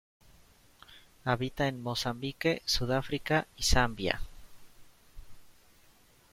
Habita en Mozambique, Sudáfrica y Zambia.